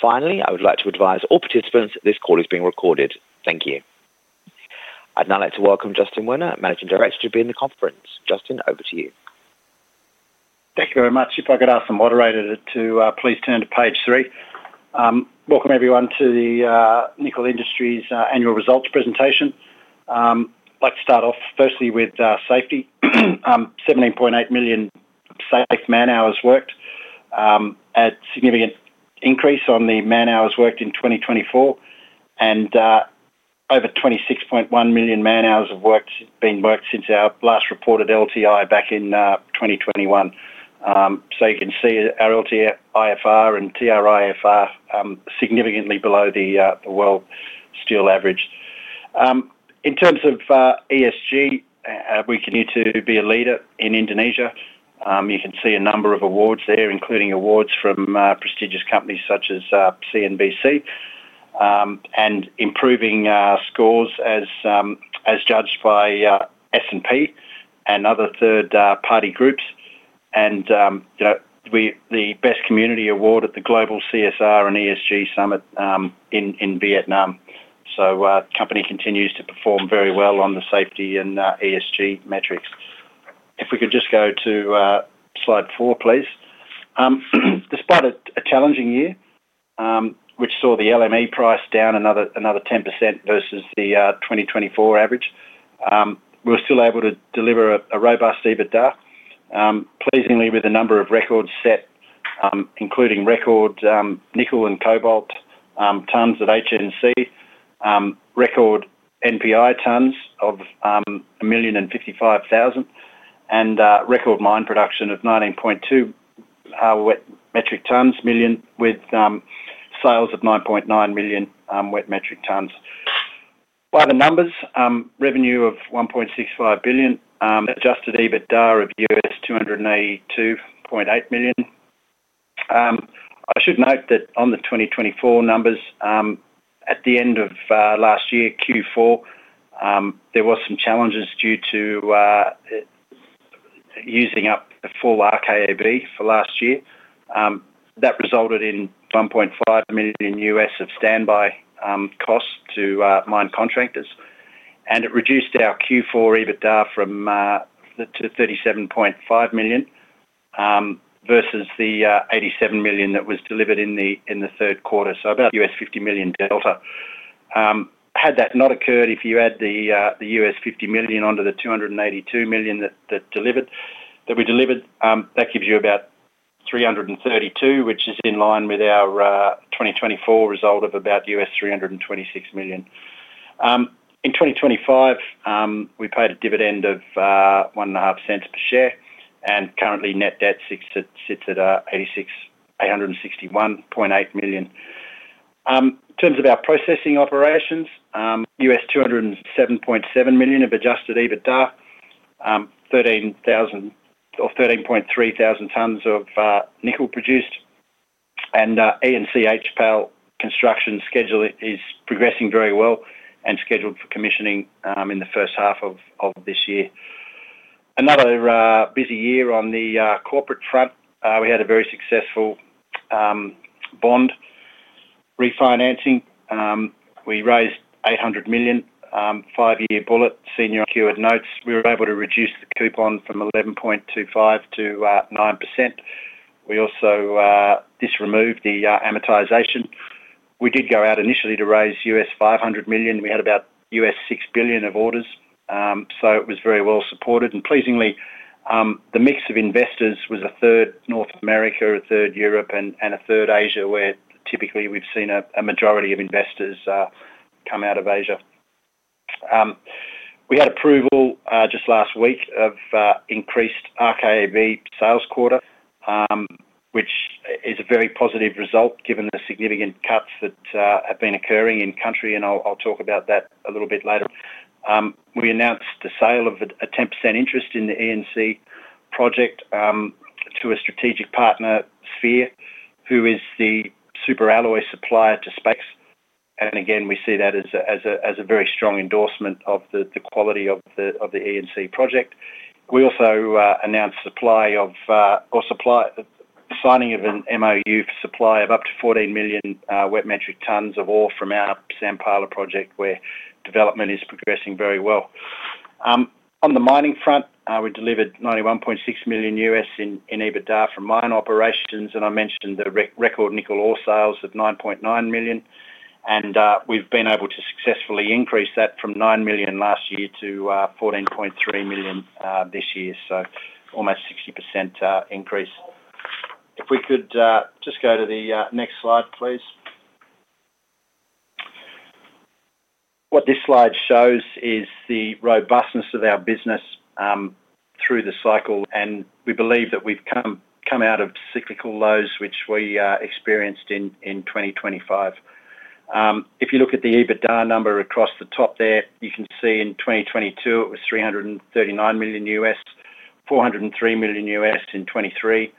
Finally, I would like to advise all participants this call is being recorded. Thank you. I'd now like to welcome Justin Werner, Managing Director, to be in the conference. Justin, over to you. Thank you very much. If I could ask the moderator to please turn to page 3. Welcome everyone to the Nickel Industries annual results presentation. I'd like to start off firstly with safety. 17.8 million safe man-hours worked, a significant increase on the man-hours worked in 2024, and over 26.1 million man-hours have been worked since our last reported LTI back in 2021. You can see our LTIFR and TRIFR significantly below the world steel average. In terms of ESG, we continue to be a leader in Indonesia. You can see a number of awards there, including awards from prestigious companies such as CNBC, and improving scores as judged by S&P and other third party groups. You know, we- the Best Community Award at the Global CSR and ESG Summit in Vietnam. The company continues to perform very well on the safety and ESG metrics. If we could just go to slide 4, please. Despite a challenging year, which saw the LME price down another 10% versus the 2024 average, we were still able to deliver a robust EBITDA, pleasingly with a number of records set, including record nickel and cobalt tons of HNC, record NPI tons of 1,055,000, and record mine production of 19.2 wet metric tons million, with sales of 9.9 million wet metric tons. By the numbers, revenue of $1.65 billion, adjusted EBITDA of $282.8 million. I should note that on the 2024 numbers, at the end of last year, Q4, there was some challenges due to using up the full RKAB for last year. That resulted in $1.5 million of standby costs to mine contractors, and it reduced our Q4 EBITDA from to $37.5 million versus the $87 million that was delivered in the Q3, so about $50 million delta. Had that not occurred, if you add the $50 million onto the $282 million that, that delivered, that we delivered, that gives you about $332 million, which is in line with our 2024 result of about $326 million. In 2025, we paid a dividend of $0.015 per share, and currently net debt sits at, sits at $861.8 million. In terms of our processing operations, $207.7 million of adjusted EBITDA, 13,000 or 13.3 thousand tonnes of nickel produced. ENC HPAL construction schedule is progressing very well and scheduled for commissioning in the first half of this year. Another busy year on the corporate front. We had a very successful bond refinancing. We raised $800 million 5-year bullet senior secured notes. We were able to reduce the coupon from 11.25% to 9%. We also disremoved the amortization. We did go out initially to raise $500 million. We had about $6 billion of orders, so it was very well supported. Pleasingly, the mix of investors was a third North America, a third Europe, and a third Asia, where typically we've seen a majority of investors come out of Asia. We had approval just last week of increased RKAB sales quarter, which is a very positive result given the significant cuts that have been occurring in country, and I'll talk about that a little bit later. We announced the sale of a 10% interest in the ENC project to a strategic partner, SeAH, who is the super alloy supplier to SpaceX. Again, we see that as a very strong endorsement of the quality of the ENC project. We also announced signing of an MoU for supply of up to 14 million wet metric tons of ore from our Sampala project, where development is progressing very well. On the mining front, we delivered $91.6 million in EBITDA from mine operations. I mentioned the record nickel ore sales of 9.9 million, we've been able to successfully increase that from 9 million last year to 14.3 million this year. Almost 60% increase. If we could just go to the next slide, please. What this slide shows is the robustness of our business, through the cycle, we believe that we've come out of cyclical lows, which we experienced in 2025. If you look at the EBITDA number across the top there, you can see in 2022 it was $339 million, $403 million in 2023,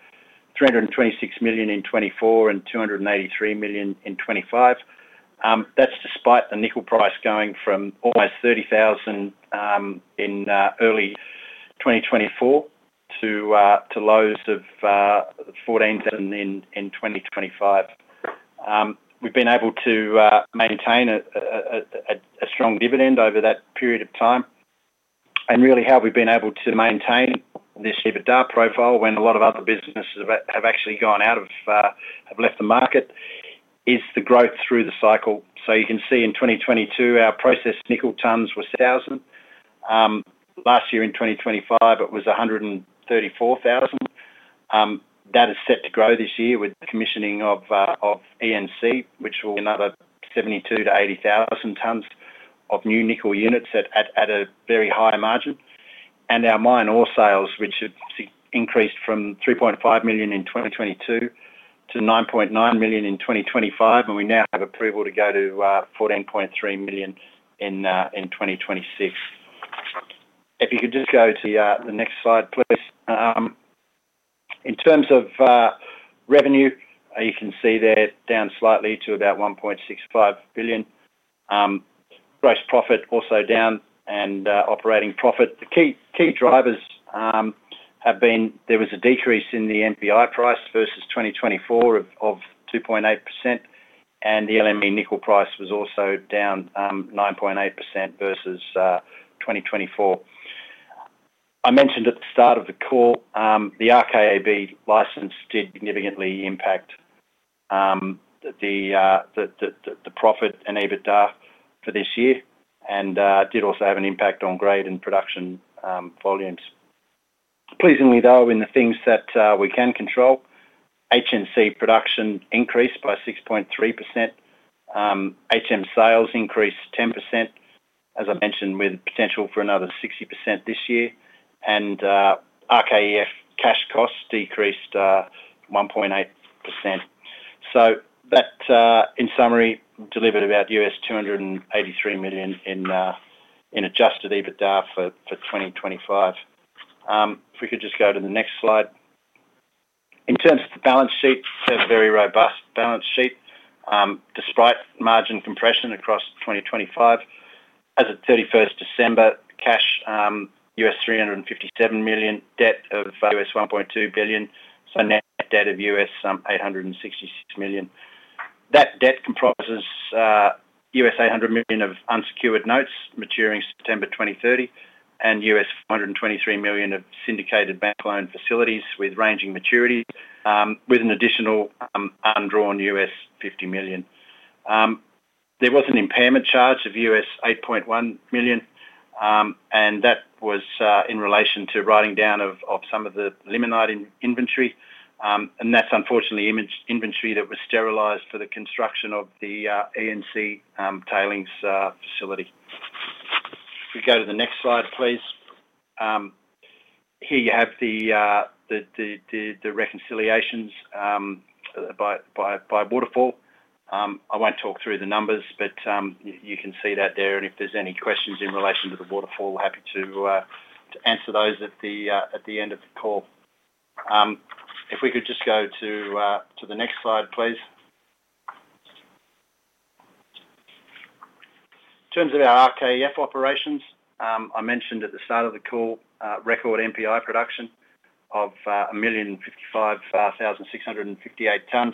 $326 million in 2024, and $283 million in 2025. That's despite the nickel price going from almost $30,000 in early 2024 to lows of $14,000 in 2025. We've been able to maintain a strong dividend over that period of time. Really, how we've been able to maintain this EBITDA profile when a lot of other businesses have actually gone out of have left the market, is the growth through the cycle. You can see in 2022, our processed nickel tons were thousand. Last year in 2025, it was 134,000. That is set to grow this year with the commissioning of ENC, which will another 72,000-80,000 tons of new nickel units at a very high margin. Our mine ore sales, which have increased from 3.5 million in 2022 to 9.9 million in 2025. We now have approval to go to 14.3 million in 2026. If you could just go to the next slide, please. In terms of revenue, you can see they're down slightly to about $1.65 billion. Gross profit also down and operating profit. The key, key drivers there was a decrease in the NPI price versus 2024 of 2.8%, and the LME nickel price was also down 9.8% versus 2024. I mentioned at the start of the call, the RKAB license did significantly impact the profit and EBITDA for this year and did also have an impact on grade and production volumes. Pleasingly, though, in the things that we can control, HNC production increased by 6.3%. HM sales increased 10%, as I mentioned, with potential for another 60% this year, and RKEF cash costs decreased 1.8%. That, in summary, delivered about $283 million in adjusted EBITDA for 2025. If we could just go to the next slide. In terms of the balance sheet, a very robust balance sheet, despite margin compression across 2025. As of 31st December, cash, $357 million, debt of $1.2 billion, so net debt of $866 million. That debt comprises $800 million of unsecured notes maturing September 2030 and $123 million of syndicated bank loan facilities with ranging maturities, with an additional undrawn $50 million. There was an impairment charge of $8.1 million, and that was in relation to writing down of some of the limonite inventory. And that's unfortunately inventory that was sterilized for the construction of the ENC tailings facility. If we go to the next slide, please. Here you have the, the, the, the, the reconciliations, by, by, by waterfall. I won't talk through the numbers, but, you, you can see that there, and if there's any questions in relation to the waterfall, happy to, to answer those at the end of the call. If we could just go to, to the next slide, please. In terms of our RKEF operations, I mentioned at the start of the call, record NPI production of 1,055,658 tons.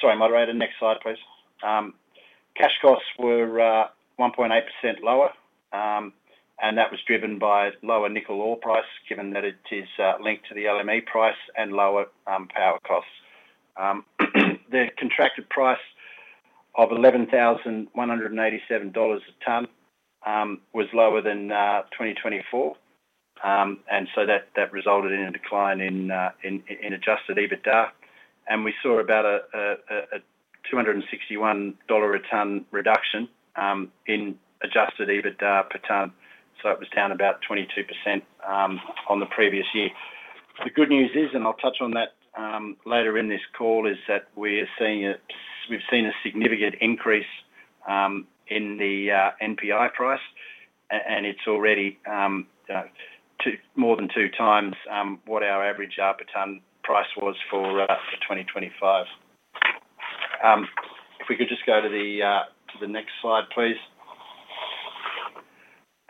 Sorry, moderator, next slide, please. Cash costs were 1.8% lower, and that was driven by lower nickel ore price, given that it is linked to the LME price and lower power costs. The contracted price of $11,187 a ton was lower than 2024. That resulted in a decline in adjusted EBITDA, and we saw about a $261 a ton reduction in adjusted EBITDA per ton, so it was down about 22% on the previous year. The good news is, and I'll touch on that later in this call, is that we've seen a significant increase in the NPI price, and it's already more than 2 times what our average up a ton price was for 2025. If we could just go to the next slide, please.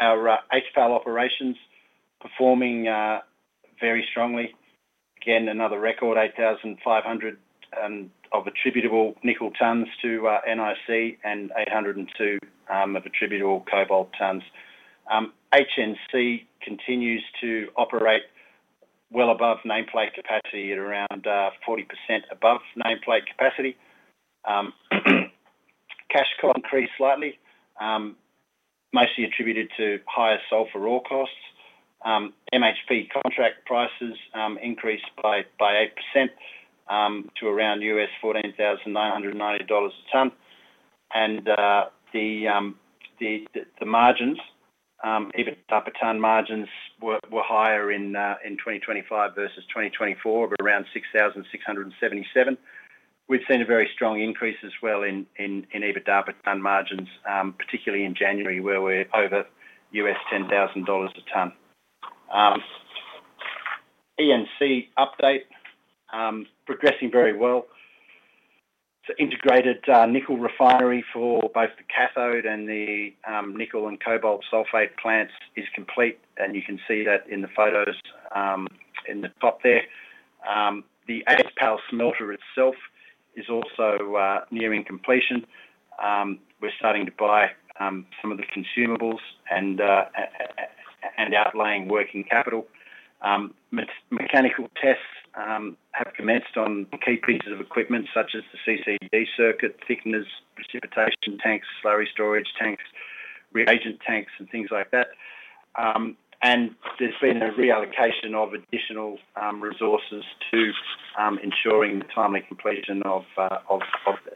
Our HPAL operations performing very strongly. Again, another record, 8,500 of attributable nickel tons to NIC and 802 of attributable cobalt tons. HNC continues to operate well above nameplate capacity at around 40% above nameplate capacity. Cash cost increased slightly, mostly attributed to higher sulfur raw costs. MHP contract prices increased by 8% to around $14,990 a ton. The margins, EBITDA per ton margins were higher in 2025 versus 2024, but around $6,677. We've seen a very strong increase as well in EBITDA per ton margins, particularly in January, where we're over $10,000 a ton. ENC update, progressing very well. Integrated nickel refinery for both the cathode and the nickel and cobalt sulfate plants is complete, and you can see that in the photos in the top there. The HPAL smelter itself is also nearing completion. We're starting to buy some of the consumables and outlaying working capital. Mechanical tests have commenced on key pieces of equipment such as the CCD circuit, thickness, precipitation tanks, slurry storage tanks, reagent tanks, and things like that. There's been a reallocation of additional resources to ensuring the timely completion of the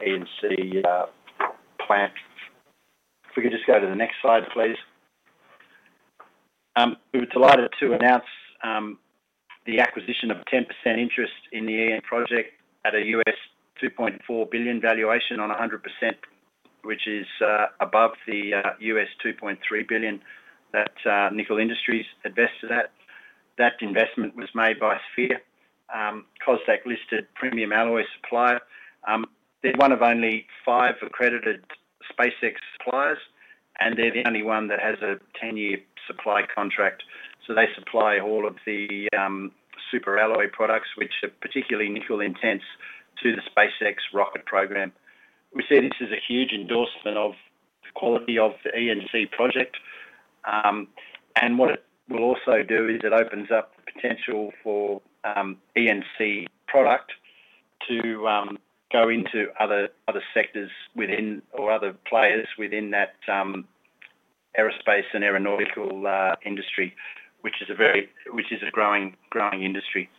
ENC plant. If we could just go to the next slide, please. We were delighted to announce the acquisition of a 10% interest in the ENC project at a $2.4 billion valuation on 100%, which is above the $2.3 billion that Nickel Industries invested at. That investment was made by SeAH, KOSDAQ-listed premium alloy supplier. They're one of only five accredited SpaceX suppliers, and they're the only one that has a 10-year supply contract. They supply all of the super alloy products, which are particularly nickel intense to the SpaceX rocket program. We see this as a huge endorsement of the quality of the ENC project. What it will also do is it opens up the potential for ENC product to go into other, other sectors within or other players within that aerospace and aeronautical industry, which is a very, which is a growing, growing industry.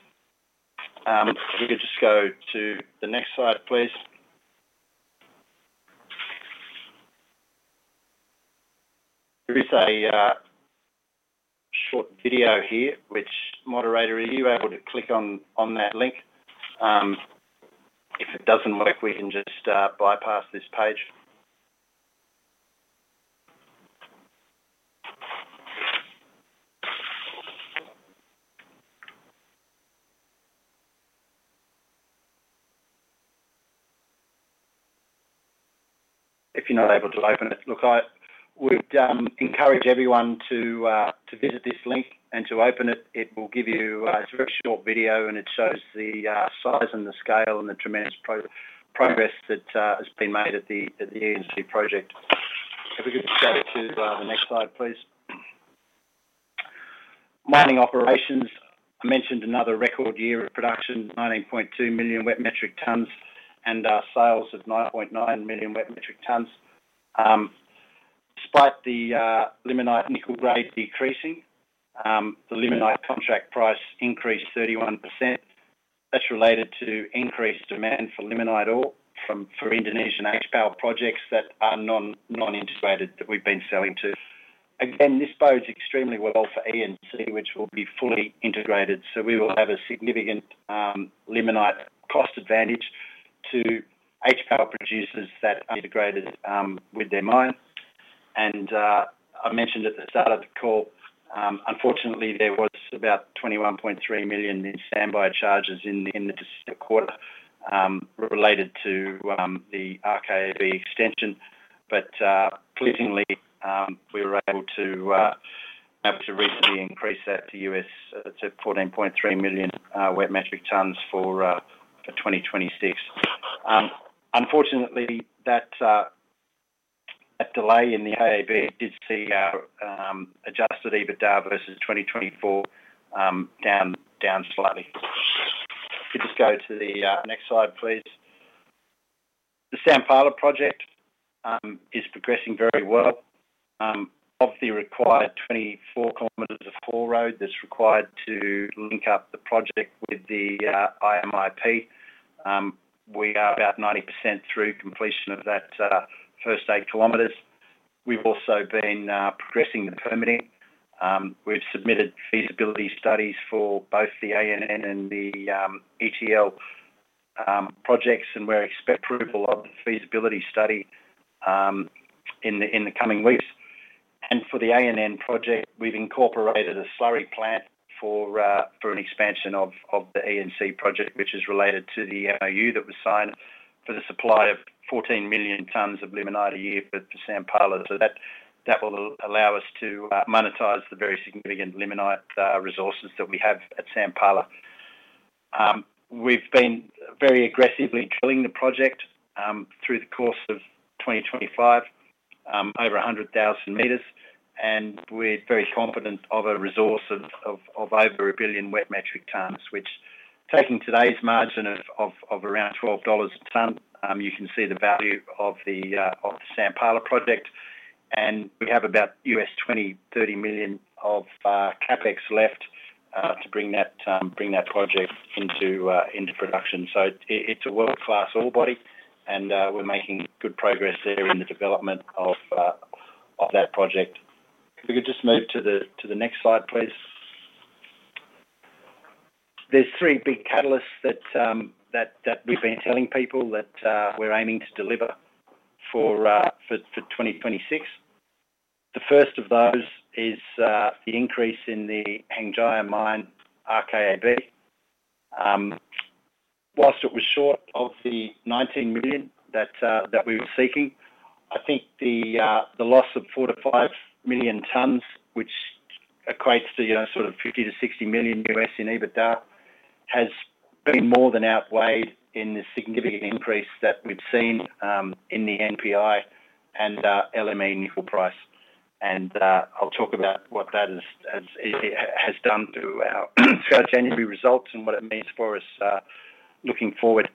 If we could just go to the next slide, please. There is a short video here, which moderator, are you able to click on, on that link? If it doesn't work, we can just bypass this page. If you're not able to open it, look, I would encourage everyone to visit this link and to open it. It will give you, it's a very short video, and it shows the size and the scale and the tremendous progress that has been made at the, at the ENC project. If we could just go to the next slide, please. Mining operations. I mentioned another record year of production, 19.2 million wet metric tonnes, and sales of 9.9 million wet metric tonnes. Despite the limonite nickel grade decreasing, the limonite contract price increased 31%. That's related to increased demand for limonite ore from Indonesian HPAL projects that are non, non-integrated, that we've been selling to. Again, this bodes extremely well for ENC, which will be fully integrated. So we will have a significant limonite cost advantage to HPAL producers that are integrated with their mine. I mentioned at the start of the call, unfortunately, there was about $21.3 million in standby charges in the quarter, related to the RKAB extension. Pleasingly, we were able to have to recently increase that to US$14.3 million wet metric tonnes for 2026. Unfortunately, that delay in the RKAB did see our adjusted EBITDA versus 2024 down, down slightly. If we just go to the next slide, please. The Sampala Project is progressing very well. Of the required 24 kilometers of haul road that's required to link up the project with the IMIP, we are about 90% through completion of that first 8 kilometers. We've also been progressing the permitting. We've submitted feasibility studies for both the ANN and the ETL projects, and we expect approval of the feasibility study in the coming weeks. For the ANN project, we've incorporated a slurry plant for an expansion of the ENC project, which is related to the IU that was signed for the supply of 14 million tons of limonite a year for the Sampala. That will allow us to monetize the very significant limonite resources that we have at Sampala. We've been very aggressively drilling the project through the course of 2025, over 100,000 meters, and we're very confident of a resource of over 1 billion wet metric tons, which, taking today's margin of around $12 a ton, you can see the value of the Sampala project. We have about $20 million-$30 million of CapEx left to bring that project into production. It, it's a world-class ore body, and we're making good progress there in the development of that project. If we could just move to the next slide, please. There's three big catalysts that, that we've been telling people that we're aiming to deliver for 2026. The first of those is the increase in the Hengjaya Mine, RKAB. Whilst it was short of the 19 million that we were seeking, I think the loss of 4 million-5 million tons, which equates to, you know, sort of $50 million-$60 million in EBITDA, has been more than outweighed in the significant increase that we've seen in the NPI and LME nickel price. I'll talk about what that has done to our January results and what it means for us looking forward.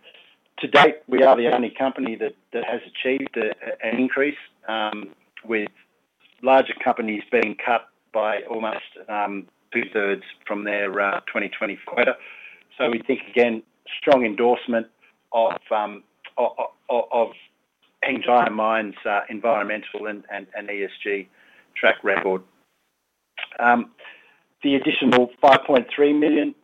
To date, we are the only company that has achieved an increase, with larger companies being cut by almost two-thirds from their 2020 quota. We think, again, strong endorsement of Hengjaya Mine's environmental and ESG track record. The additional 5.3 million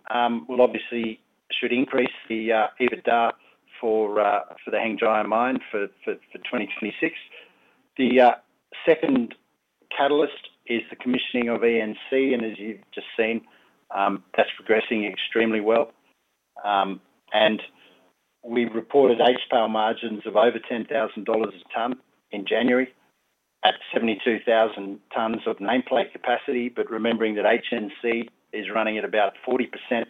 will obviously should increase the EBITDA for the Hengjaya Mine for 2026. The second catalyst is the commissioning of ENC, and as you've just seen, that's progressing extremely well. We've reported HPAL margins of over $10,000 a ton in January at 72,000 tons of nameplate capacity. Remembering that HNC is running at about 40%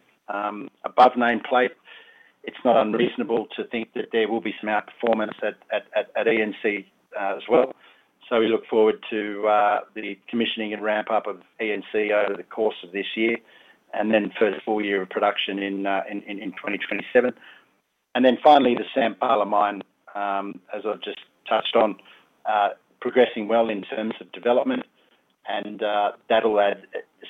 above nameplate, it's not unreasonable to think that there will be some outperformance at ENC as well. We look forward to the commissioning and ramp-up of ENC over the course of this year, and then first full year of production in 2027. Finally, the Sampala Mine, as I've just touched on, progressing well in terms of development, and that'll add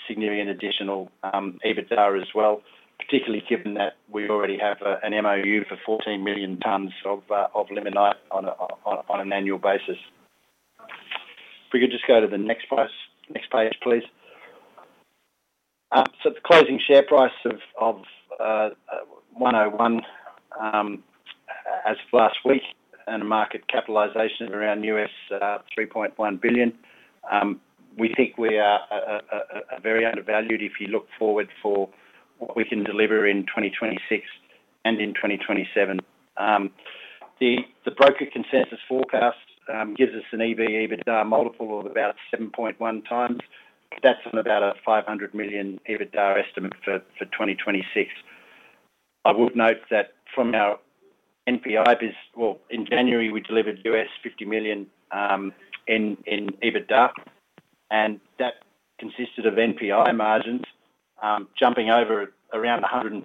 significant additional EBITDA as well, particularly given that we already have an MoU for 14 million tons of limonite on an annual basis. If we could just go to the next place, next page, please. The closing share price of 101 as of last week, and a market capitalization of around $3.1 billion. We think we are very undervalued if you look forward for what we can deliver in 2026 and in 2027. The broker consensus forecast gives us an EV/EBITDA multiple of about 7.1x. That's on about a $500 million EBITDA estimate for 2026. I would note that from our NPI business... Well, in January, we delivered $50 million in EBITDA, and that consisted of NPI margins jumping over around 150%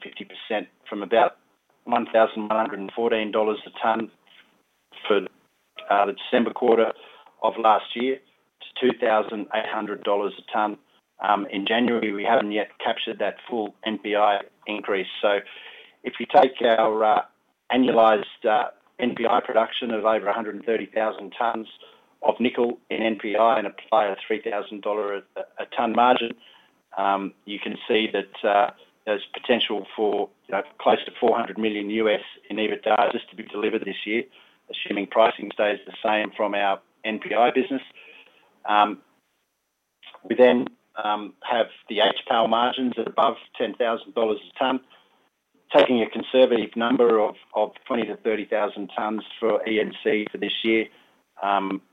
from about $1,114 a ton for the December quarter of last year, to $2,800 a ton. In January, we haven't yet captured that full NPI increase. If you take our annualized NPI production of over 130,000 tons of nickel in NPI and apply a $3,000 a ton margin, you can see that there's potential for, you know, close to $400 million in EBITDA just to be delivered this year, assuming pricing stays the same from our NPI business. We have the HPAL margins at above $10,000 a ton, taking a conservative number of 20,000-30,000 tons for ENC for this year.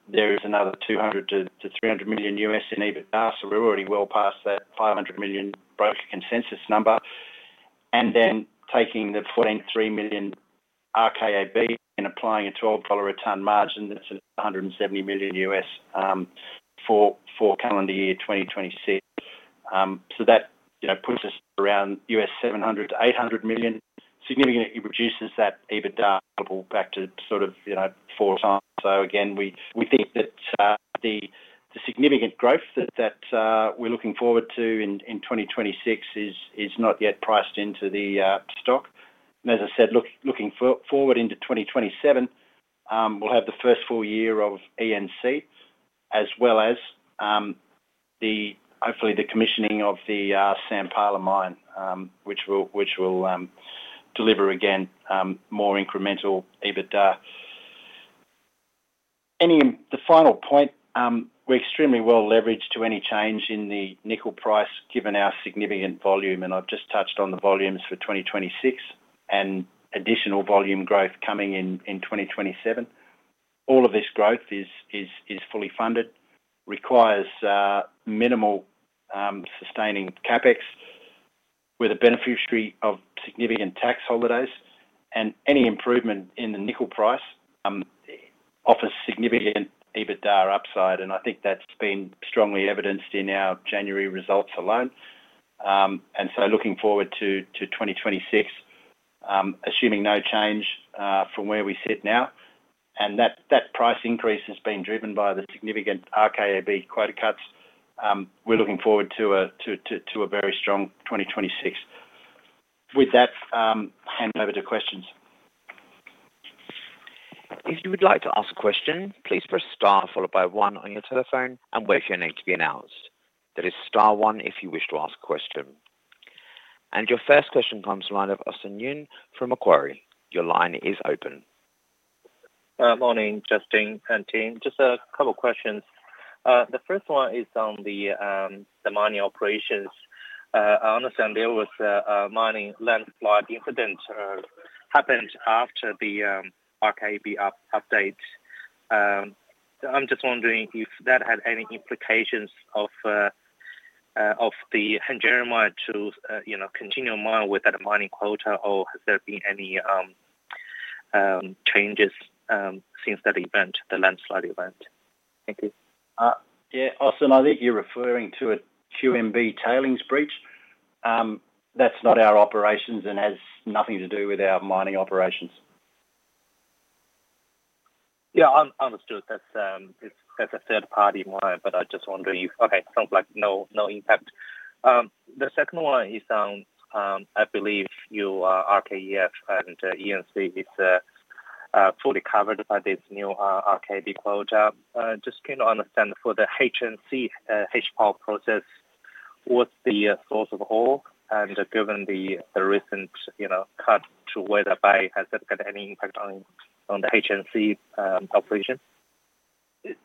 There is another $200-$300 million in EBITDA, so we're already well past that $500 million broker consensus number. Taking the 14.3 million RKAB and applying a $12 a ton margin, that's $170 million for calendar year 2026. That, you know, puts us around $700-$800 million, significantly reduces that EBITDA back to sort of, you know, 4 times. Again, we, we think that the significant growth that we're looking forward to in 2026 is not yet priced into the stock. As I said, looking forward into 2027, we'll have the first full year of ENC, as well as the hopefully, the commissioning of the Sampala Mine, which will, which will deliver again, more incremental EBITDA. Any... The final point, we're extremely well leveraged to any change in the nickel price, given our significant volume, and I've just touched on the volumes for 2026 and additional volume growth coming in, in 2027. All of this growth is fully funded, requires minimal sustaining CapEx, with a beneficiary of significant tax holidays, and any improvement in the nickel price offers significant EBITDA upside, and I think that's been strongly evidenced in our January results alone. Looking forward to 2026, assuming no change from where we sit now, and that, that price increase has been driven by the significant RKAB quota cuts, we're looking forward to a very strong 2026. With that, hand over to questions. If you would like to ask a question, please press star followed by one on your telephone and wait for your name to be announced. That is star one if you wish to ask a question. Your first question comes line of Austin Yun from Macquarie. Your line is open. Morning, Justin and team. Just a couple of questions. The first one is on the mining operations. I understand there was a mining landslide incident, happened after the RKAB update. I'm just wondering if that had any implications of the general mine to, you know, continue mining with that mining quota, or has there been any changes since that event, the landslide event? Thank you. Yeah, Austin, I think you're referring to a QMB tailings breach. That's not our operations and has nothing to do with our mining operations. Yeah, understood. That's, that's a third-party mine, but I just wonder. Okay, sounds like no, no impact. The second one is, I believe you, RKEF and ENC is fully covered by this new RKAB quota. Just keen to understand for the HNC H-PAL process, what's the source of ore? Given the recent, you know, cut to Weda Bay, has that got any impact on the HNC operation?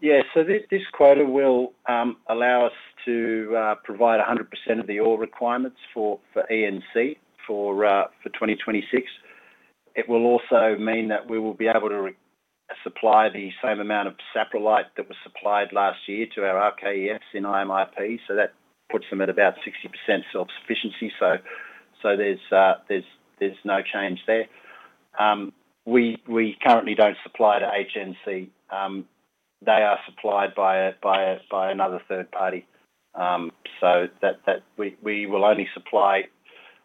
Yeah, this, this quota will allow us to provide 100% of the ore requirements for, for ENC for, for 2026. It will also mean that we will be able to re- supply the same amount of saprolite that was supplied last year to our RKEF in IMIP, so that puts them at about 60% self-sufficiency. There's, there's, there's no change there. We, we currently don't supply to HNC. They are supplied by a, by a, by another third party. That we, we will only supply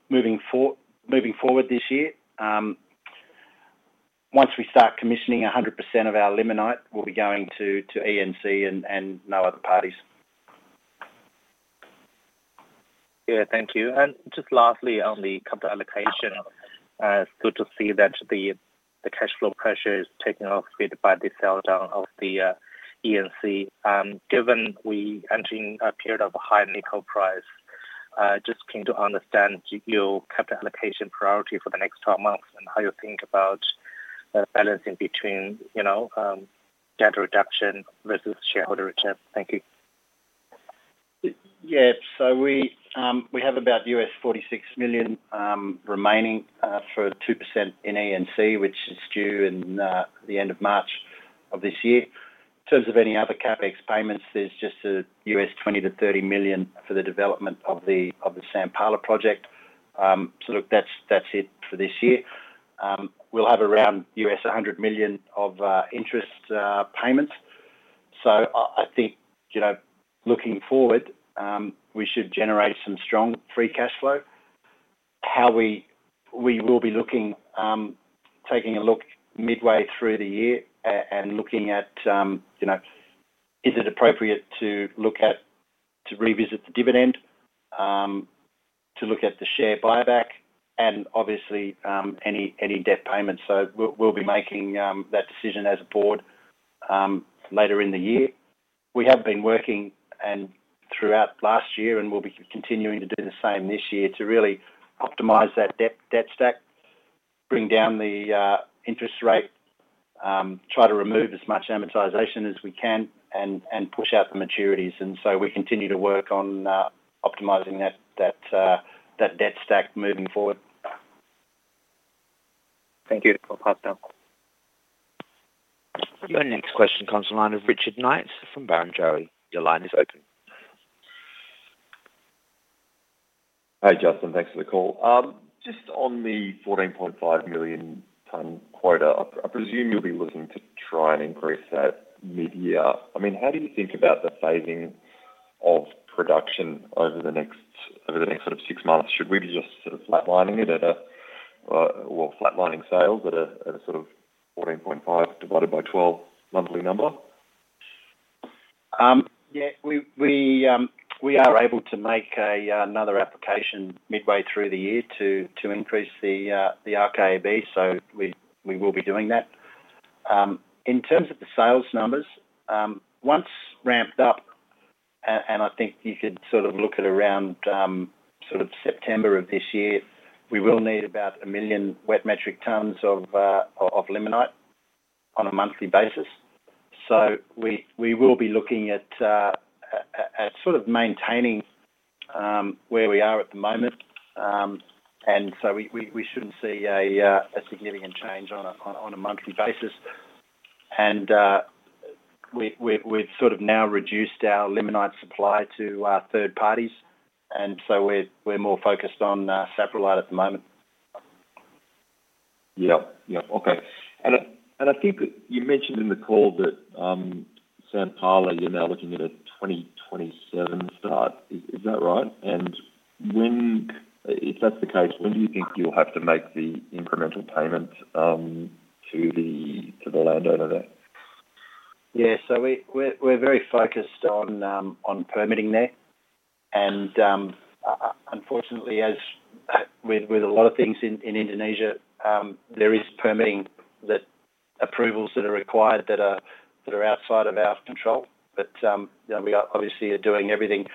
moving forward this year. Once we start commissioning 100% of our limonite, we'll be going to, to ENC and, and no other parties. Yeah, thank you. Just lastly, on the capital allocation, it's good to see that the, the cash flow pressure is taken off bit by the sell-down of the, ENC. Given we entering a period of a high nickel price, just keen to understand your capital allocation priority for the next 12 months and how you think about balancing between, you know, debt reduction versus shareholder return. Thank you. Yeah, so we, we have about $46 million remaining for 2% in ENC, which is due in the end of March of this year. In terms of any other CapEx payments, there's just a $20 million-$30 million for the development of the Sampala project. Look, that's, that's it for this year. We'll have around $100 million of interest payments. I, I think, you know, looking forward, we should generate some strong free cash flow. How we, we will be looking, taking a look midway through the year and looking at, you know, is it appropriate to look at, to revisit the dividend, to look at the share buyback and obviously, any, any debt payments. We'll be making that decision as a board later in the year. We have been working and throughout last year, and we'll be continuing to do the same this year to really optimize that debt, debt stack, bring down the interest rate, try to remove as much amortization as we can and push out the maturities. We continue to work on optimizing that debt stack moving forward. Thank you. I'll pass now. Your next question comes to line of Richard Knott from Barrenjoey. Your line is open. Hi, Justin. Thanks for the call. Just on the 14.5 million ton quota, I, I presume you'll be looking to try and increase that mid-year. I mean, how do you think about the phasing of production over the next, over the next sort of 6 months? Should we be just sort of flatlining it at a well, flatlining sales at a, at a sort of 14.5 divided by 12 monthly number? Yeah, we, we, we are able to make another application midway through the year to, to increase the RKAB, so we, we will be doing that. In terms of the sales numbers, once ramped up, and I think you could sort of look at around September of this year, we will need about 1 million wet metric tonnes of limonite on a monthly basis. We, we will be looking at sort of maintaining where we are at the moment. We, we, we shouldn't see a significant change on a monthly basis. We, we've, we've sort of now reduced our limonite supply to third parties, and so we're, we're more focused on saprolite at the moment. Yep. Yep. Okay. And, and I think you mentioned in the call that Sampala, you're now looking at a 2027 start. Is, is that right? When, if that's the case, when do you think you'll have to make the incremental payment to the, to the landowner there? Yeah. We, we're, we're very focused on permitting there. Unfortunately, as with a lot of things in Indonesia, there is approvals that are required that are that are outside of our control. You know, we are obviously are doing everything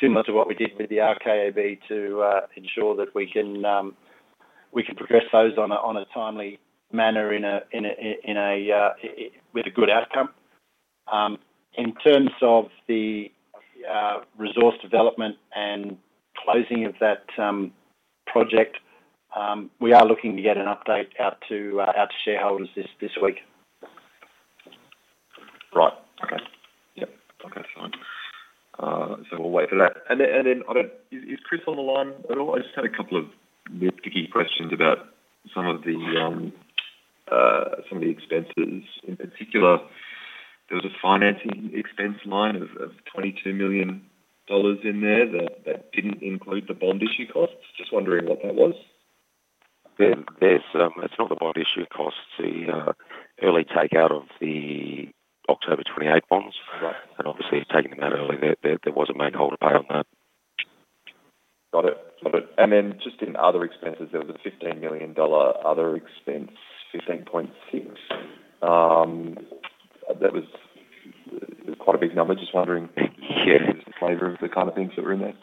similar to what we did with the RKAB to ensure that we can progress those on a timely manner in a in a in a with a good outcome. In terms of the resource development and closing of that project, we are looking to get an update out to our shareholders this this week. Right. Okay. Yep. Okay, fine. We'll wait for that. Is Chris on the line at all? I just had a couple of nitpicky questions about some of the, some of the expenses. In particular, there was a financing expense line of, of $22 million in there that, that didn't include the bond issue costs. Just wondering what that was? There's, that's not the bond issue costs, the early take out of the October 28 bonds. Right. Obviously, taking them out early, there was a make-whole pay on that. Got it. Got it. Then just in other expenses, there was a $15 million other expense, $16.6. That was, it was quite a big number. Just wondering- Yeah. the flavor of the kind of things that were in there.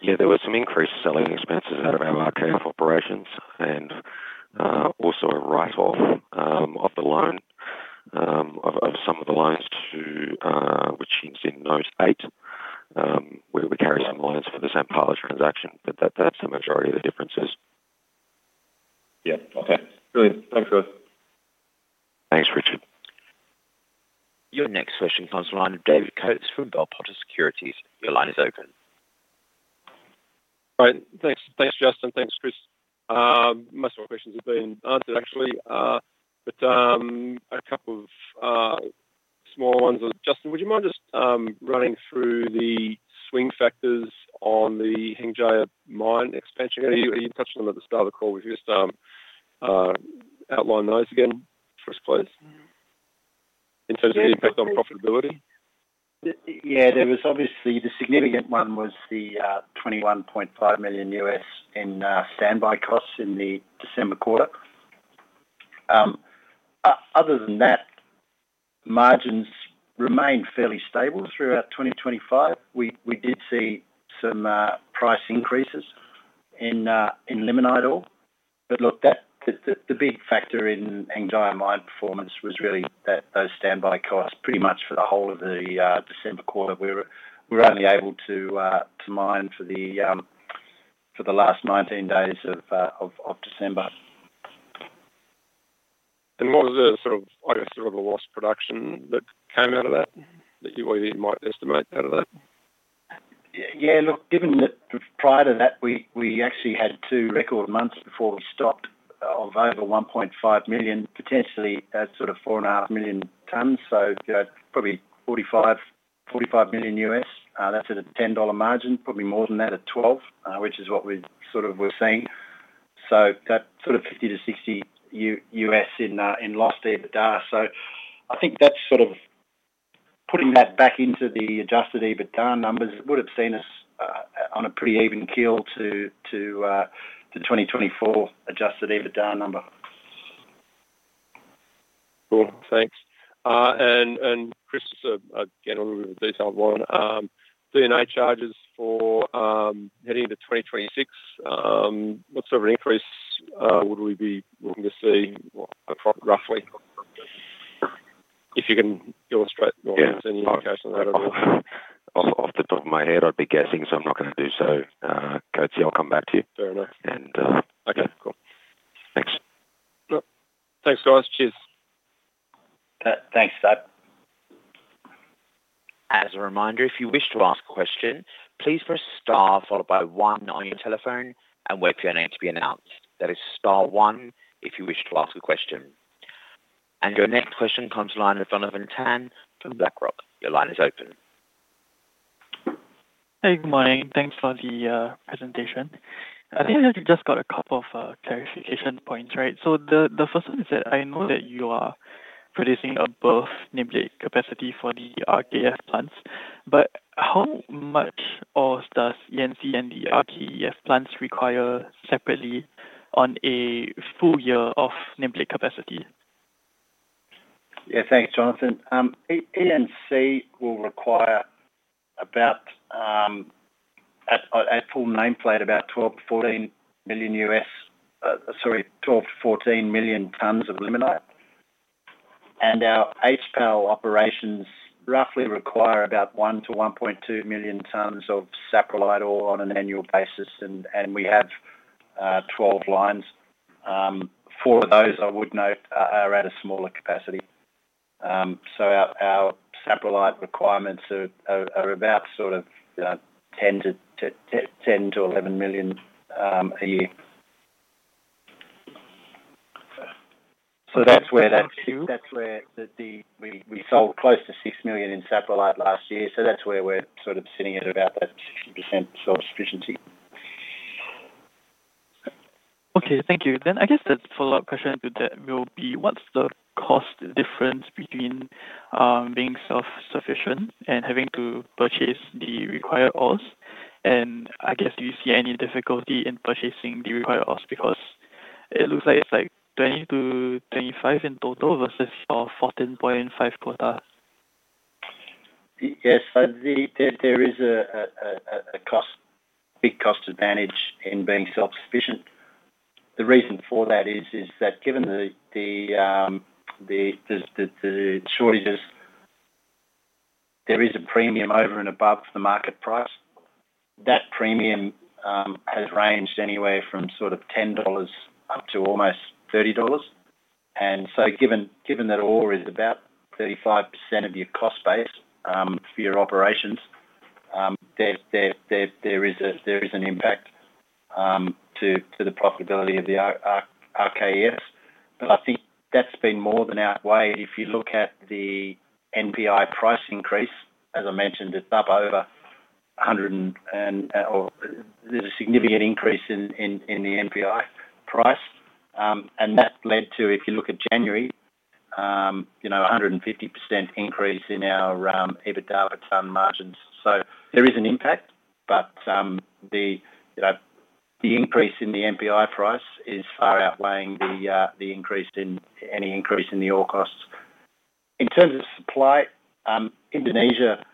Yeah, there were some increased selling expenses around our operations and also a write-off of the loan of some of the loans to which is in those 8 where we carry some loans for the Sant Paul's transaction, but that, that's the majority of the differences. Yeah. Okay. Brilliant. Thanks, guys. Thanks, Richard. Your next question comes from the line of David Coates from Bell Potter Securities. Your line is open. Right. Thanks. Thanks, Justin. Thanks, Chris. Most of my questions have been answered, actually, but a couple of small ones. Justin, would you mind just running through the swing factors on the Hengjaya Mine expansion? You, you touched on them at the start of the call. If you just outline those again for us, please, in terms of the impact on profitability. There was obviously the significant one was the $21.5 million in standby costs in the December quarter. Other than that, margins remained fairly stable throughout 2025. We, we did see some price increases in limonite ore. That, the, the, the big factor in Hengjaya Mine performance was really that, those standby costs. Pretty much for the whole of the December quarter, we were, we were only able to mine for the last 19 days of December. What was the sort of, I guess, sort of a lost production that came out of that, that you really might estimate out of that? Yeah, look, given that prior to that, we, we actually had two record months before we stopped of over 1.5 million, potentially, sort of 4.5 million tons, so, probably $45 million, $45 million US. That's at a $10 margin, probably more than that at 12, which is what we sort of were seeing. That sort of $50-$60 US in lost EBITDA. I think that's sort of putting that back into the adjusted EBITDA numbers, would have seen us on a pretty even keel to, to, 2024 adjusted EBITDA number. Cool, thanks. Chris, again, a little bit of a detailed one. D&A charges for heading into 2026, what sort of an increase would we be looking to see, roughly? If you can illustrate... Yeah. Any indication of that at all. Off, off the top of my head, I'd be guessing, so I'm not gonna do so. Cody, I'll come back to you. Fair enough. And, uh- Okay, cool. Thanks. Yep. Thanks, guys. Cheers. Thanks, Dave. As a reminder, if you wish to ask a question, please press star followed by one on your telephone and wait for your name to be announced. That is star one, if you wish to ask a question. Your next question comes to line of Jonathan Ang from BlackRock. Your line is open. Hey, good morning. Thanks for the presentation. I think I just got a couple of clarification points, right? The first one is that I know that you are producing above nameplate capacity for the RKEF plants, but how much ore does ENC and the RKEF plants require separately on a full year of nameplate capacity? Yeah, thanks, Jonathan. ENC will require about at full nameplate, about 12-14 million. Sorry, 12-14 million tons of limonite. Our HPAL operations roughly require about 1-1.2 million tons of saprolite ore on an annual basis, and we have 12 lines. 4 of those, I would note, are at a smaller capacity. Our saprolite requirements are about sort of 10-11 million a year. That's where. That's where we sold close to 6 million in saprolite last year, that's where we're sort of sitting at about that 60% self-sufficiency. Okay, thank you. I guess the follow-up question to that will be, what's the cost difference between, being self-sufficient and having to purchase the required ores? I guess do you see any difficulty in purchasing the required ore? Because it looks like it's like 20-25 in total versus your 14.5 quota. Yes, there is a big cost advantage in being self-sufficient. The reason for that is, is that given the shortages, there is a premium over and above the market price. That premium has ranged anywhere from sort of $10 up to almost $30. Given that ore is about 35% of your cost base, for your operations, there is an impact to the profitability of the RKEF. I think that's been more than outweighed. If you look at the NPI price increase, as I mentioned, it's up over 100. There's a significant increase in the NPI price. That led to, if you look at January, you know, a 150% increase in our EBITDA ton margins. There is an impact, but, the, you know, the increase in the NPI price is far outweighing the increase in any increase in the ore costs. In terms of supply, Indonesia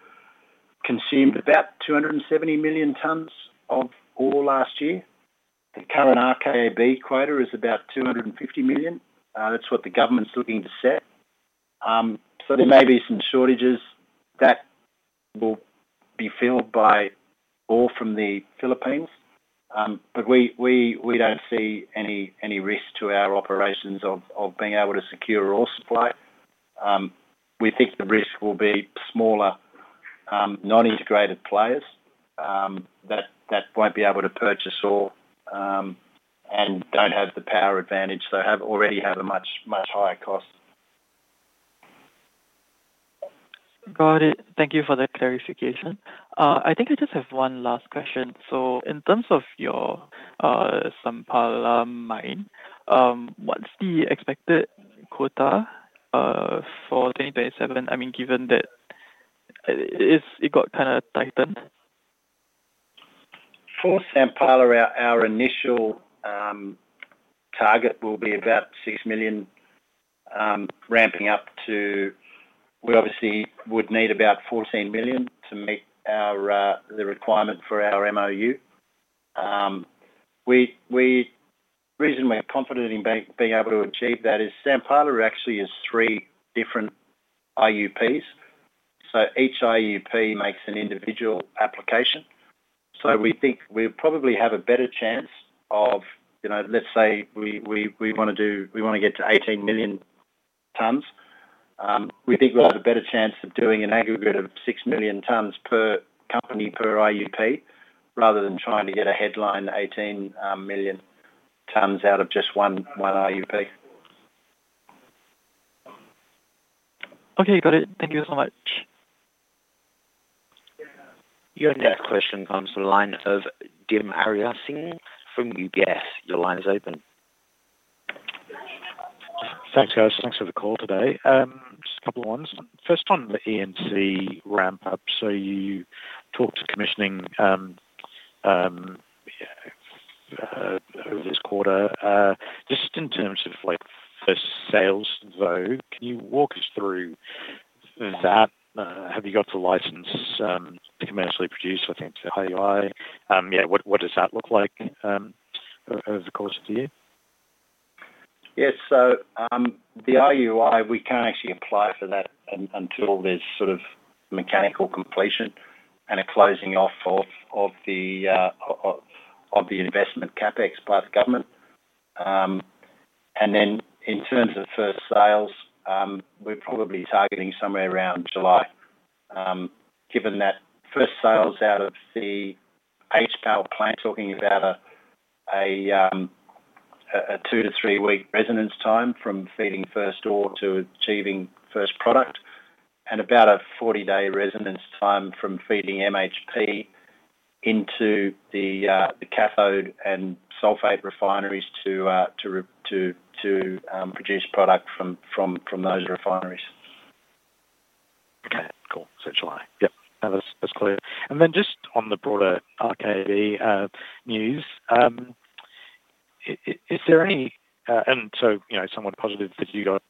consumed about 270 million tons of ore last year. The current RKAB quota is about 250 million. That's what the government's looking to set. There may be some shortages that will be filled by ore from the Philippines. We don't see any risk to our operations of being able to secure ore supply. We think the risk will be smaller, non-integrated players, that, that won't be able to purchase ore, and don't have the power advantage, so have already have a much, much higher cost. Got it. Thank you for that clarification. I think I just have one last question. In terms of your Sampala mine, what's the expected quota for 2027? I mean, given that it, it, it got kind of tightened. For Sampala, our, our initial, target will be about 6 million, ramping up to. We obviously would need about 14 million to meet our, the requirement for our MOU. The reason we are confident in being able to achieve that is Sampala actually is three different IUPs, so each IUP makes an individual application. So we think we probably have a better chance of, you know, let's say, we want to get to 18 million tons. We think we'll have a better chance of doing an aggregate of 6 million tons per company per IUP, rather than trying to get a headline 18 million tons out of just one IUP. Okay, got it. Thank you so much. Your next question comes from the line of Dim Ariyasinghe from UBS. Your line is open. Thanks, guys. Thanks for the call today. Just a couple of ones. First on the ENC ramp-up, you talked to commissioning, yeah, over this quarter. Just in terms of like the sales though, can you walk us through that? Have you got the license to commercially produce, I think, the IUI? Yeah, what, what does that look like, over the course of the year? The IUI, we can't actually apply for that until there's sort of mechanical completion and a closing off of the investment CapEx by the government. Then in terms of first sales, we're probably targeting somewhere around July. Given that first sales out of the H-PAL plant, talking about a 2-3-week residence time from feeding first ore to achieving first product, and about a 40-day residence time from feeding MHP into the cathode and sulphate refineries to produce product from those refineries. Okay, cool. July? Yep, that's, that's clear. Then just on the broader RKAB news, is there any, and so, you know, somewhat positive that you got,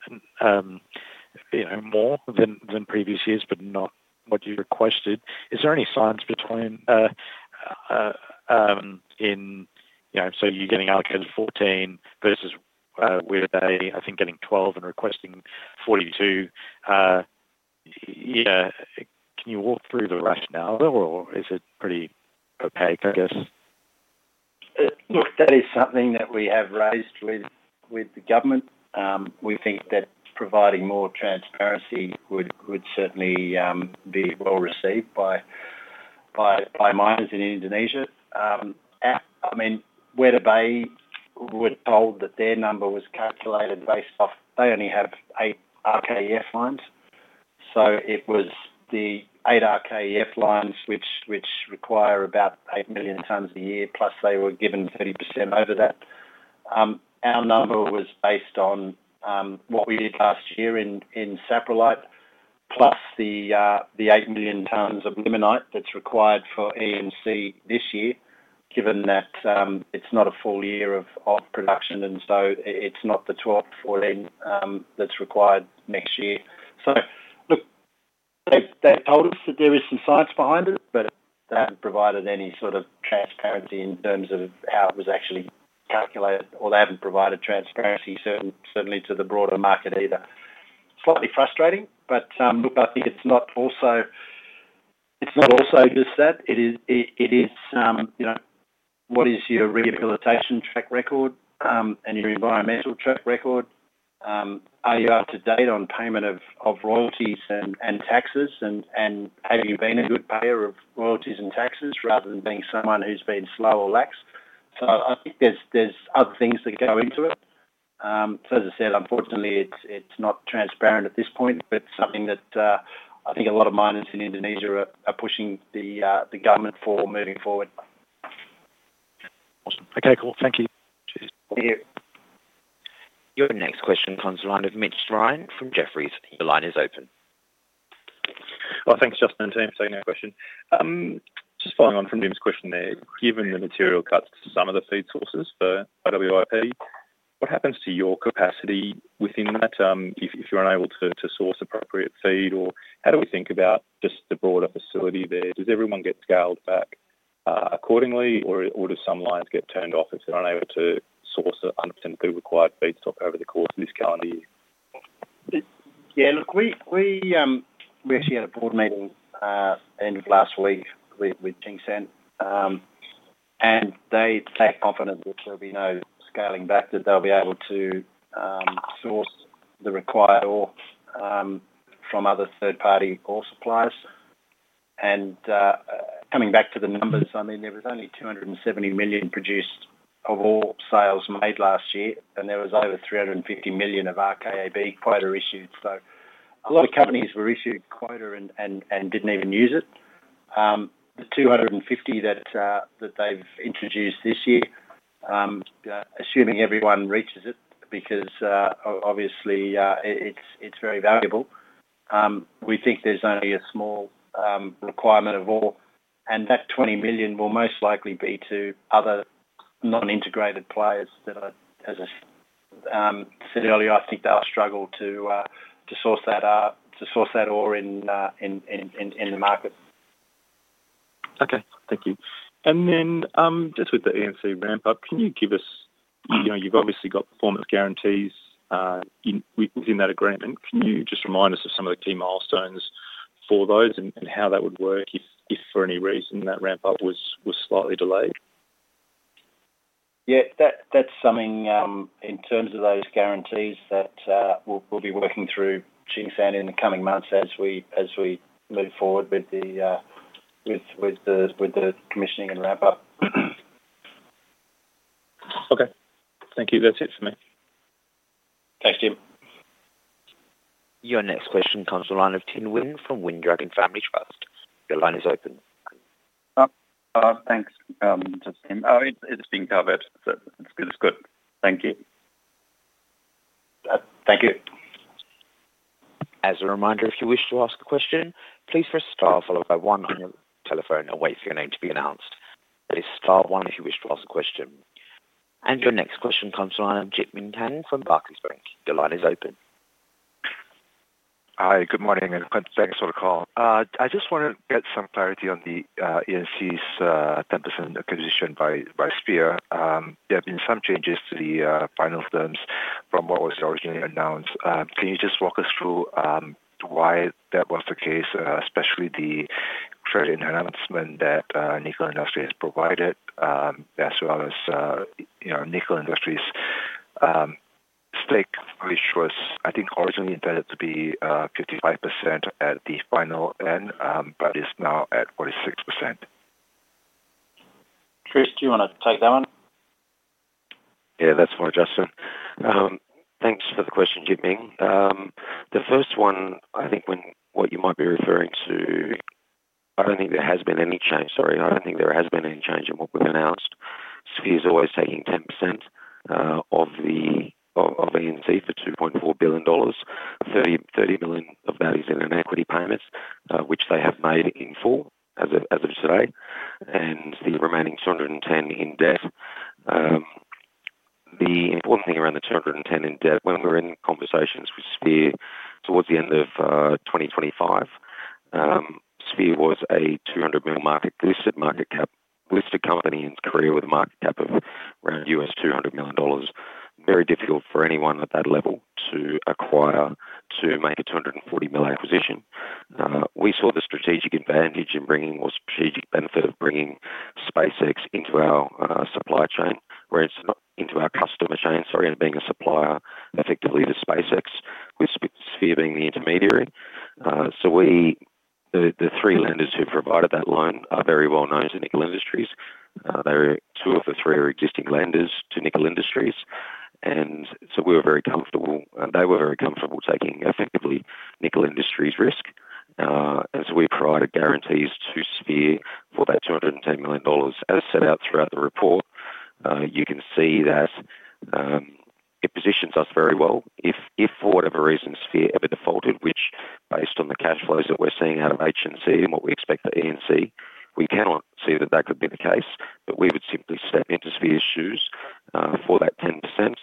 you know, more than, than previous years, but not what you requested. Is there any science between, you know, so you're getting allocated 14 versus, where they, I think, getting 12 and requesting 42? Yeah, can you walk through the rationale there, or is it pretty opaque, I guess? Look, that is something that we have raised with the government. We think that providing more transparency would certainly be well-received by miners in Indonesia. I mean, where they were told that their number was calculated based off, they only have 8 RKEF lines. It was the 8 RKEF lines which require about 8 million tons a year, plus they were given 30% over that. Our number was based on what we did last year in saprolite plus the 8 million tons of limonite that's required for ENC this year, given that it's not a full year of production, and so it's not the 12 or then that's required next year. Look, they, they told us that there is some science behind it, but they haven't provided any sort of transparency in terms of how it was actually calculated, or they haven't provided transparency certainly to the broader market either. Slightly frustrating, but, look, I think it's not also, it's not also just that, it is, it is, you know, what is your rehabilitation track record, and your environmental track record? Are you up to date on payment of, of royalties and, and taxes, and, and have you been a good payer of royalties and taxes rather than being someone who's been slow or lax? I think there's, there's other things that go into it. As I said, unfortunately, it's, it's not transparent at this point, but something that, I think a lot of miners in Indonesia are, are pushing the, the government for moving forward. Awesome. Okay, cool. Thank you. Cheers. Thank you. Your next question comes the line of Mitch Ryan from Jefferies. Your line is open. Well, thanks, Justin, and team for taking your question. Just following on from Jim's question there, given the material cuts to some of the feed sources for IWIP, what happens to your capacity within that, if, if you're unable to, to source appropriate feed? Or how do we think about just the broader facility there? Does everyone get scaled back accordingly, or, or do some lines get turned off if they're unable to source the 100% required feedstock over the course of this calendar year? Yeah, look, we, we, we actually had a board meeting, end of last week with, with Tsingshan. They sound confident that there'll be no scaling back, that they'll be able to source the required ore, from other third-party ore suppliers. Coming back to the numbers, I mean, there was only $270 million produced of ore sales made last year, and there was over $350 million of RKAB quota issued. A lot of companies were issued quota and, and, and didn't even use it. The 250 that, that they've introduced this year, assuming everyone reaches it, because, obviously, it's, it's very valuable. We think there's only a small requirement of ore, and that 20 million will most likely be to other non-integrated players that as I said earlier, I think they'll struggle to source that to source that ore in the market. Okay. Thank you. Just with the ENC ramp-up, can you give us- Mm-hmm. You know, you've obviously got performance guarantees, within that agreement. Can you just remind us of some of the key milestones for those and how that would work if for any reason that ramp-up was slightly delayed? That, that's something, in terms of those guarantees that, we'll, we'll be working through Tsingshan in the coming months as we, as we move forward with the, with, with the, with the commissioning and ramp-up. Okay. Thank you. That's it for me. Thanks, Dim. Your next question comes to the line of Tinh Winn from Windragon Family Trust. Your line is open. Thanks, Justin. Oh, it, it's been covered, so it's good. Thank you. Thank you. As a reminder, if you wish to ask a question, please press star followed by one on your telephone and wait for your name to be announced. That is star one if you wish to ask a question. Your next question comes from Jinming Tong from Barclays Bank. Your line is open. Hi, good morning, and thanks for the call. I just want to get some clarity on the ENC's 10% acquisition by SeAH. There have been some changes to the final terms from what was originally announced. Can you just walk us through why that was the case, especially the trade announcement that Nickel Industries has provided, as well as, you know, Nickel Industries' stake, which was, I think, originally intended to be 55% at the final end, but is now at 46%? Chris, do you want to take that one? Yeah, that's for Justin. Thanks for the question, Jin Ming. The first one, I think when, what you might be referring to, I don't think there has been any change. Sorry, I don't think there has been any change in what we've announced. SeAH is always taking 10% of the ENC for $2.4 billion, $30 million of that is in equity payments, which they have made in full as of today, and the remaining $210 million in debt. The important thing around the $210 million in debt, when we're in conversations with SeAH towards the end of 2025, SeAH was a $200 million market, listed market cap, listed company in Korea with a market cap of around $200 million. Very difficult for anyone at that level to acquire, to make a $240 million acquisition. We saw the strategic advantage in bringing, or strategic benefit of bringing SpaceX into our supply chain, where it's not into our customer chain, sorry, and being a supplier effectively to SpaceX, with SeAH being the intermediary. We, the, the three lenders who provided that loan are very well known to Nickel Industries. They are, two of the three are existing lenders to Nickel Industries, and so we were very comfortable, and they were very comfortable taking effectively Nickel Industries' risk, as we provided guarantees to SeAH for that $210 million. As set out throughout the report, you can see that positions us very well. If, if for whatever reason, SeAH ever defaulted, which based on the cash flows that we're seeing out of HNC and what we expect at ENC, we cannot see that that could be the case, but we would simply step into SeAH's shoes for that 10%,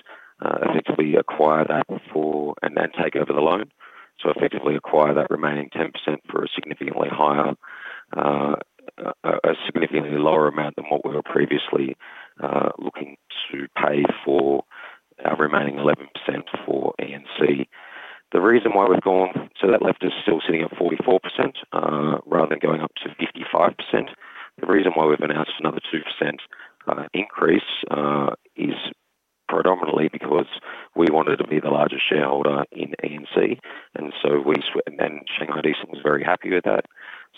effectively acquire that for and then take over the loan. Effectively acquire that remaining 10% for a significantly higher, a significantly lower amount than what we were previously looking to pay for our remaining 11% for ENC. That left us still sitting at 44%, rather than going up to 55%. The reason why we've announced another 2% increase is predominantly because we wanted to be the largest shareholder in ENC, and so we and Shanghai Decent was very happy with that.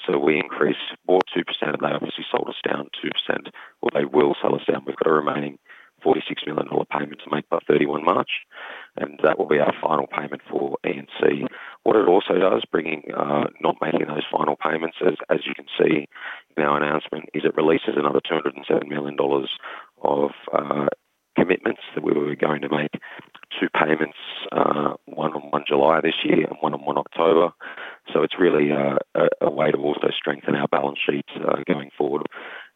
We increased for 2%, and they obviously sold us down 2%, or they will sell us down. We've got a remaining $46 million payment to make by 31 March, and that will be our final payment for ENC. What it also does, bringing, not making those final payments, as, as you can see in our announcement, is it releases another $207 million of commitments that we were going to make, 2 payments, one on July 1 this year and one on October 1. It's really a way to also strengthen our balance sheet going forward.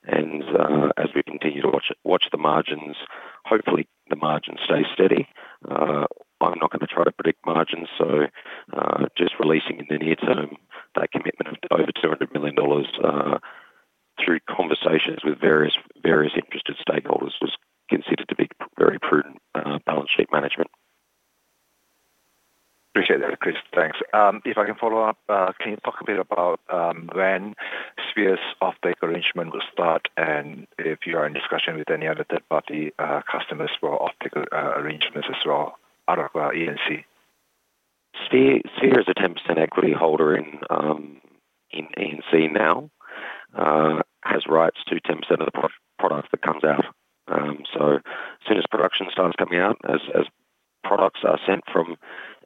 As we continue to watch, watch the margins, hopefully, the margins stay steady. I'm not gonna try to predict margins, so, just releasing in the near term that commitment of over $200 million, through conversations with various, various interested stakeholders was considered to be very prudent, balance sheet management. Appreciate that, Chris. Thanks. If I can follow up, can you talk a bit about when SeAH's off-take arrangement will start, and if you are in discussion with any other third-party customers for off-take arrangements as well, other than ENC? SeAH, SeAH is a 10% equity holder in, in ENC now, has rights to 10% of the product that comes out. As soon as production starts coming out, as, as products are sent from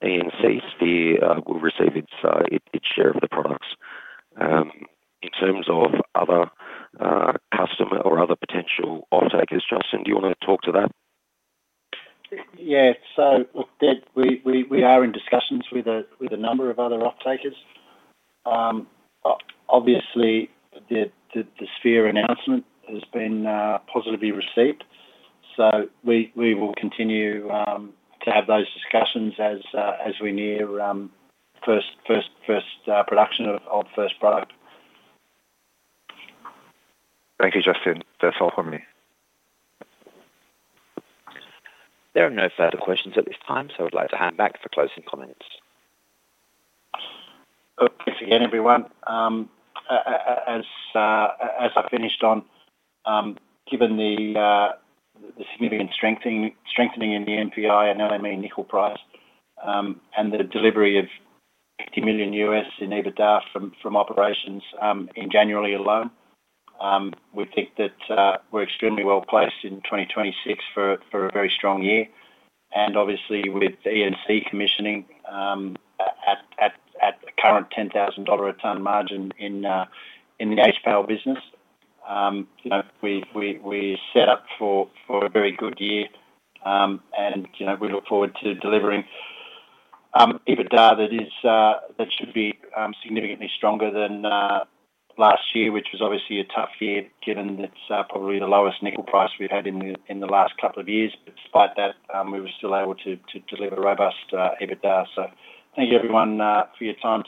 ENC, SeAH, will receive its, its, its share of the products. In terms of other, customer or other potential off-takers, Justin, do you want to talk to that? Yeah. Look, we are in discussions with a number of other off-takers. Obviously, the SeAH announcement has been positively received, so we will continue to have those discussions as we near first production of first product. Thank you, Justin. That's all from me. There are no further questions at this time, so I would like to hand back for closing comments. Thanks again, everyone. As I finished on, given the significant strengthening in the NPI, and now, I mean, nickel price, and the delivery of $50 million in EBITDA from operations in January alone, we think that we're extremely well-placed in 2026 for a very strong year, and obviously, with ENC commissioning at the current $10,000 a ton margin in the HPAL business. You know, we set up for a very good year, and, you know, we look forward to delivering EBITDA that is that should be significantly stronger than last year, which was obviously a tough year, given it's probably the lowest nickel price we've had in the last couple of years. Despite that, we were still able to, to deliver a robust EBITDA. Thank you, everyone, for your time today.